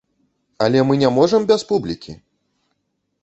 Але мы не можам без публікі!